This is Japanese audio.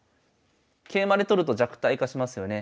桂馬で取ると弱体化しますよね。